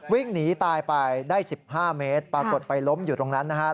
วิ่งหนีตายไปได้๑๕เมตรปรากฏไปล้มอยู่ตรงนั้นนะครับ